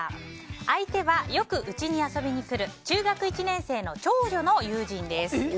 相手はよくうちに遊びに来る中学１年生の長女の友人です。